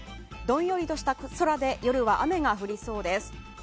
どんよりとした空で夜は雨が降りそうです。